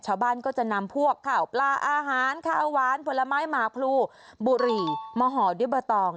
ชาวบ้านก็จะนำพวกข่าวปลาอาหารข้าวหวานผลไม้หมากพลูบุหรี่มาห่อด้วยใบตอง